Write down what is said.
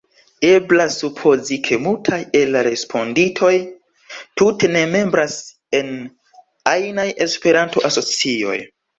Eblas supozi, ke multaj el la respondintoj tute ne membras en ajnaj Esperanto-asocioj.